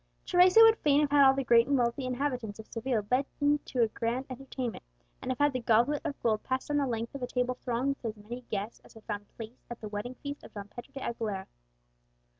Teresa would fain have had all the great and wealthy inhabitants of Seville bidden to a grand entertainment, and have had the goblet of gold pass down the length of a table thronged with as many guests as had found place at the wedding feast of Don Pedro de Aguilera.